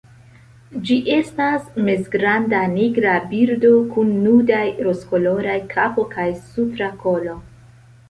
Ĝi estas mezgranda nigra birdo kun nudaj rozkoloraj kapo kaj supra kolo.